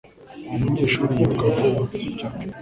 Uwo munyeshuri yiruka vuba sibyo?